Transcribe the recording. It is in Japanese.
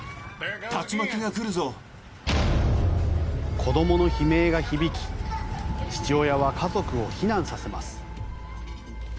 子どもの悲鳴が響き父親は家族を避難させます。